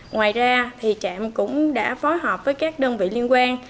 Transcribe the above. ngoài ra trạm cũng đã phối hợp với các đơn vị liên quan